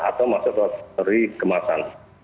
atau masuk kategori kemasan